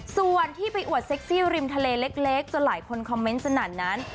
ส่วนที่ไปอวดเซ็กซี่ริมทะเลเล็กจนหลายคนคอมเมนต์สนั่นนั้น